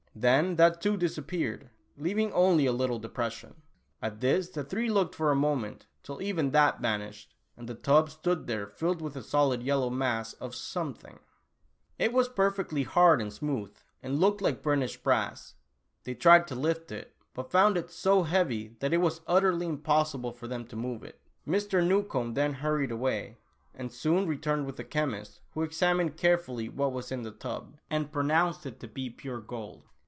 Then that too disappeared, leaving only a little depression. At this the three looked for a moment, till even that vanished, and the tub stood there filled with a solid yellow mass of soinciJiiug. 54 Tula Oolah. It was perfectly hard and smooth and looked like burnished brass. They tried to lift it, but found it so heavy that it was utterly impossible for them to move it. Mr. Newcombe then hurried away, and soon returned with a chemist who examined carefully what was in the tub, and pronounced it to be pure gold